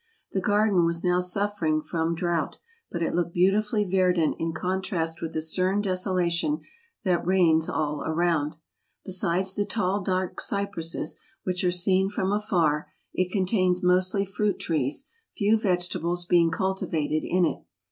... The garden was now suffering from drought, but it looked beautifully verdant in con¬ trast with the stern desolation that reigns all around. Besides the tall dark cypresses which are seen from afar, it contains mostly fruit trees, few vegetables being cultivated in it.